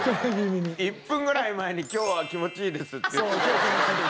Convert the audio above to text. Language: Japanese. １分ぐらい前に「今日は気持ちいいです」って言ってた。